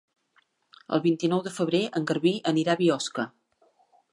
El vint-i-nou de febrer en Garbí anirà a Biosca.